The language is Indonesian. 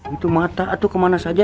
itu mata atau kemana saja